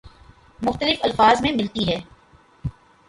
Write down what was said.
مختلف الفاظ میں ملتی ہے